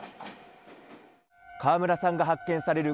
川村さんが発見される